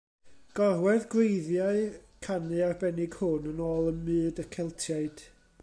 Gorwedd gwreiddiau'r canu arbennig hwn yn ôl ym myd y Celtiaid.